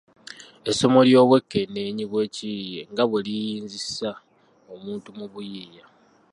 Essomo ly’obwekenneenyi bw’ekiyiiye nga bwe liyinzisa omuntu mu buyiiya.